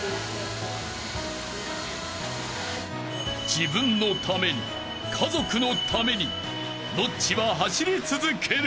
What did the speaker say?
［自分のために家族のためにノッチは走り続ける］